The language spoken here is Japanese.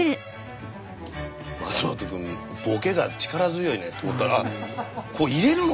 松元くんボケが力強いねと思ったらあ入れるのか。